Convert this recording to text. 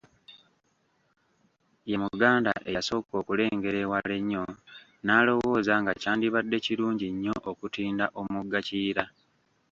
Ye Muganda eyasooka okulengera ewala ennyo n'alowooza nga kyandibadde kirungi nnyo okutinda omugga Kiyira.